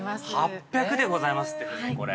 ◆８００でございますって夫人、これ。